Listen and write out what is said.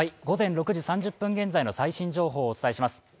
午前６時３０分現在の最新情報をお伝えします。